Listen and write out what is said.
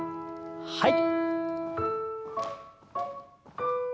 はい。